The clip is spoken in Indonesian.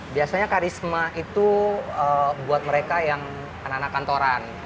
biasanya karisma itu buat mereka yang anak anak kantoran